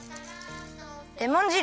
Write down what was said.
レモン汁！